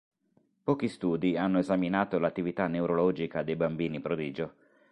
Pochi studi hanno esaminato l'attività neurologica dei bambini prodigio.